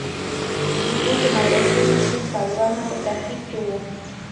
زموږ د مدرسې ځينې طالبان هم په تحريک کښې وو.